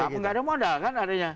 nggak ada modal kan adanya